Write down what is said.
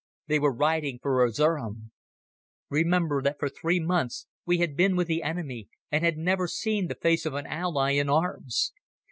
They were riding for Erzerum. Remember that for three months we had been with the enemy and had never seen the face of an Ally in arms.